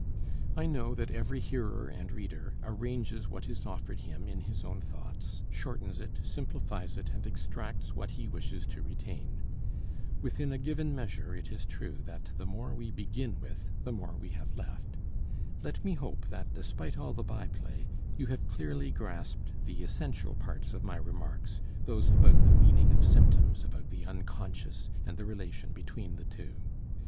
I know that every hearer and reader arranges what is offered him in his own thoughts, shortens it, simplifies it and extracts what he wishes to retain. Within a given measure it is true that the more we begin with the more we have left. Let me hope that, despite all the by play, you have clearly grasped the essential parts of my remarks, those about the meaning of symptoms, about the unconscious, and the relation between the two.